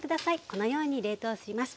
このように冷凍します。